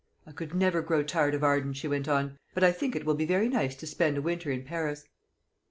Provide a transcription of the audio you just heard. "I could never grow tired of Arden," she went on; "but I think it will be very nice to spend a winter in Paris."